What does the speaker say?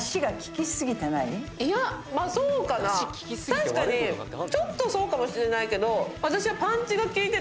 確かにちょっとそうかもしれないけど私は。